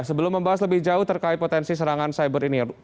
sebelum membahas lebih jauh terkait potensi serangan cyber ini